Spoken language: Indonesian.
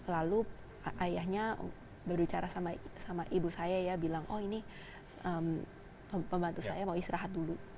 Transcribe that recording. lalu ayahnya berbicara sama ibu saya ya bilang oh ini pembantu saya mau istirahat dulu